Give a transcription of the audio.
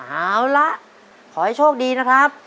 เอาละขอให้โชคดีนะครับ